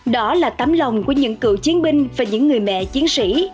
đó là tấm lòng của những cựu chiến binh và những người mẹ chiến sĩ